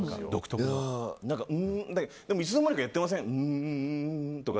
でも、いつのまにかやってません？